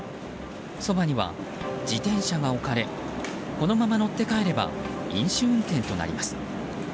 そばには自転車が置かれこのまま乗って帰れば飲酒運転となります。